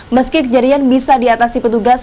meski kejadian bisa diatasi petugas